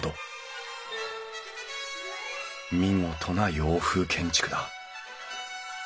見事な洋風建築だ。